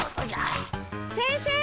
先生！